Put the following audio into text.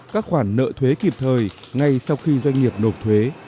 các khoản nợ thuế kịp thời ngay sau khi doanh nghiệp nộp thuế